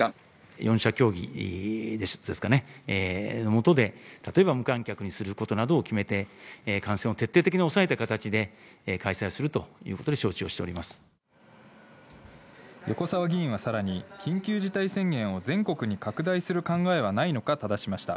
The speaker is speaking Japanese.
４者協議ですかね、のもとで、例えば無観客にすることなどを決めて、感染を徹底的に抑えた形で開催をするということで承知をしており横沢議員はさらに、緊急事態宣言を全国に拡大する考えはないのかただしました。